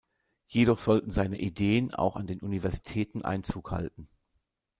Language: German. Jedoch sollten seine Ideen auch an den Universitäten Einzug halten.